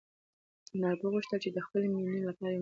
انارګل غوښتل چې د خپلې مېنې لپاره یو نوی څراغ واخلي.